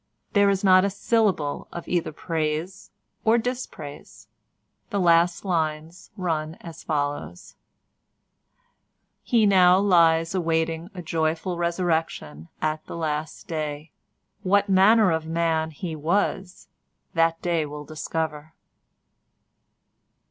There is not a syllable of either praise or dispraise. The last lines run as follows:— HE NOW LIES AWAITING A JOYFUL RESURRECTION AT THE LAST DAY. WHAT MANNER OF MAN HE WAS THAT DAY WILL DISCOVER.